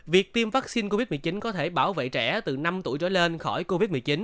việc tiêm vaccine covid một mươi chín có thể bảo vệ trẻ từ năm tuổi trở lên khỏi covid một mươi chín